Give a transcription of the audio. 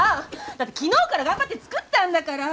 だって昨日から頑張って作ったんだから！